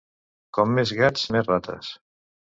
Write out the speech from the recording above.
Com més gats, més rates.